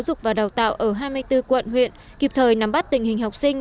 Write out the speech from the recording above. giáo dục và đào tạo ở hai mươi bốn quận huyện kịp thời nắm bắt tình hình học sinh